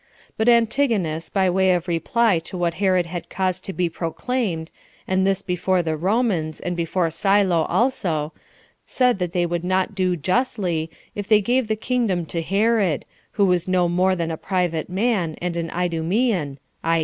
But Antigonus, by way of reply to what Herod had caused to be proclaimed, and this before the Romans, and before Silo also, said that they would not do justly, if they gave the kingdom to Herod, who was no more than a private man, and an Idumean, i.